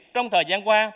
trong thời gian qua